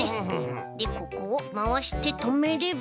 でここをまわしてとめれば。